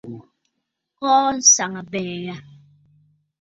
Kɔɔ nsaŋabɛ̀ɛ yâ.